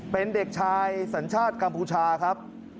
เป็นเด็กชายสัญชาติกัมพูชาครับ